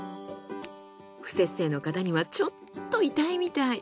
不摂生の方にはちょっと痛いみたい。